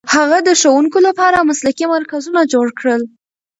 هغه د ښوونکو لپاره مسلکي مرکزونه جوړ کړل.